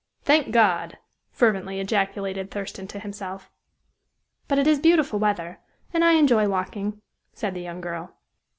"Thank God!" fervently ejaculated Thurston to himself. "But it is beautiful weather, and I enjoy walking," said the young girl.